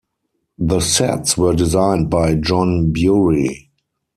The sets were designed by John Bury.